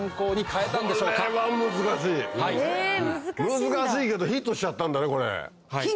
難しいけどヒットしちゃったんだねこれ。